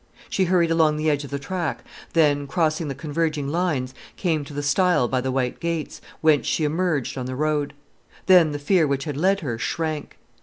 She hurried along the edge of the track, then, crossing the converging lines, came to the stile by the white gates, whence she emerged on the road. Then the fear which had led her shrank.